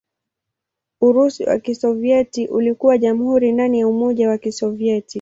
Urusi wa Kisovyeti ulikuwa jamhuri ndani ya Umoja wa Kisovyeti.